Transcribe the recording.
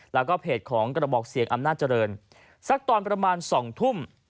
แล้วก็เพจของกระบอกเสียงอำนาจเจริญสักตอนประมาณ๒ทุ่ม